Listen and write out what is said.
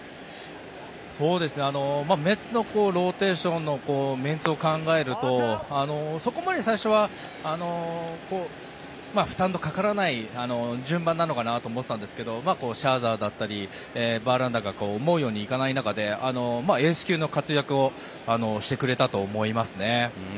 メッツのローテーションのメンツを考えるとそこまで最初は負担のかからない順番なのかなと思っていたんですがシャーザーだったりバーランダーが思うようにいかない中でエース級の活躍をしてくれたと思いますね。